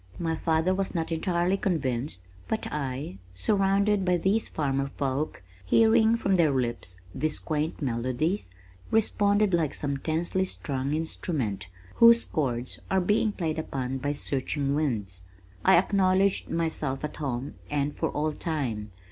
My father was not entirely convinced, but I, surrounded by these farmer folk, hearing from their lips these quaint melodies, responded like some tensely strung instrument, whose chords are being played upon by searching winds. I acknowledged myself at home and for all time.